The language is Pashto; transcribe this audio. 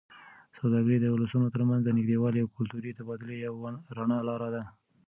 سوداګري د ولسونو ترمنځ د نږدېوالي او کلتوري تبادلې یوه رڼه لاره ده.